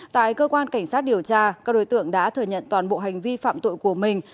tại cơ quan cảnh sát điều tra các đối tượng đã thừa nhận toàn bộ hành vi phạm tội của mình